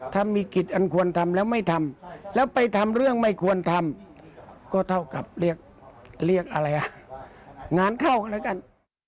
ถ้ามีกิจอันควรทำแล้วไม่ทำแล้วไปทำเรื่องไม่ควรทำก็เท่ากับเรียกอะไรอ่ะงานเข้าแล้วกัน